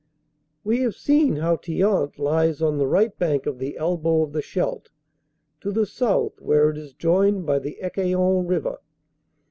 We have seen how Thiant lies on the right bank of the elbow of the Scheldt to the south where it is joined by the Ecaillon river.